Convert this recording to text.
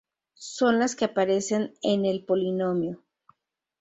Son las que aparecen en el polinomio.